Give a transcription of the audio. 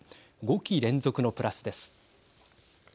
５期連続のプラスです。